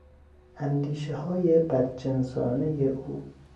اندیشههای بدجنسانهی او